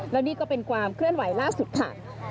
แล้วนี่ก็เป็นความเคลื่อนไหวล่าสุดค่ะ